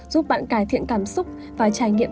giúp bạn cải thiện cảm xúc và trải nghiệm